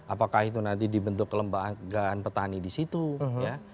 apakah itu nanti dibentuk kelembagaan petani di situ ya